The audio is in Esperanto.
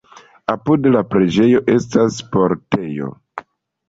Apud la preĝejo estas sportejo.